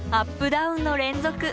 ダウンの連続。